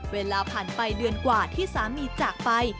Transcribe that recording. เวลาผ่านไปเดือนกว่าที่สามีจากไป